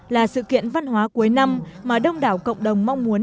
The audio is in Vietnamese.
là sự kiện văn hóa cuối năm mà đông đảo cộng đồng mong muốn